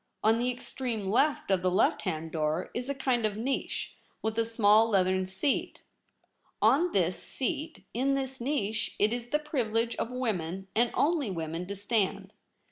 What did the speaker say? On the ex treme left of the left hand door Is a kind of niche, with a small leathern seat. On this seat. In this niche. It Is the privilege of women, and only women, to stand.